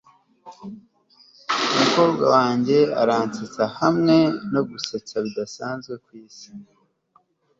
umukobwa wanjye aransetsa hamwe no gusetsa bidasanzwe ku isi